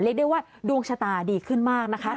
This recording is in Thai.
เรียกได้ว่าดวงชะตาดีขึ้นมากนะคะ